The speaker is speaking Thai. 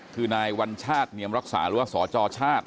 คือนายวัญชาติเนียมรักษาหรือว่าสจชาติ